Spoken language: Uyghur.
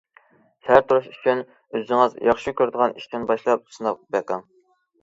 سەھەر تۇرۇش ئۈچۈن، ئۆزىڭىز ياخشى كۆرىدىغان ئىشتىن باشلاپ سىناپ بېقىڭ.